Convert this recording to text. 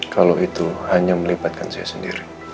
kalau itu hanya melibatkan saya sendiri